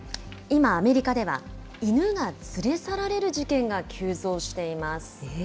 今、アメリカでは犬が連れ去られる事件が急増しています。